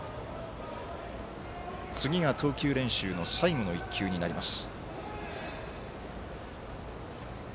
次が投球練習の最後の１球になります。